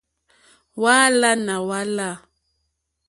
Hwáǎlánà hwá lâ.